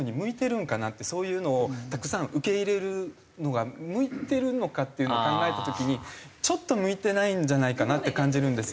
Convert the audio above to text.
そういうのをたくさん受け入れるのが向いてるのかっていうのを考えた時にちょっと向いてないんじゃないかなって感じるんですよ。